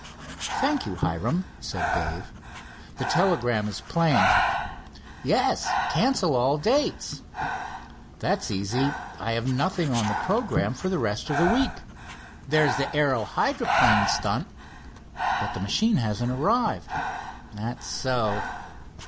"Thank you Hiram," said Dave. "The telegram is plain." "Yes, cancel all dates." "That's easy, I have nothing on the programme for the rest of the week." "There's the aero hydroplane stunt." "But the machine hasn't arrived." "That's so."